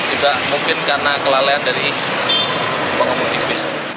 juga mungkin karena kelalaian dari belakang kemudian bus